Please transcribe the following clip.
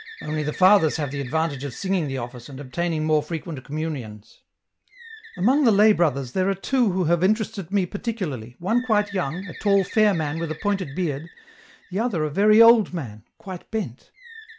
Only, the fathers hava the advantage of singing the office and obtaining more frequent communions.'* " Among the lay brothers there are two who have interested me particularly, one quite young, a tall fair man with a pointed beard, the other a very old man, quite bent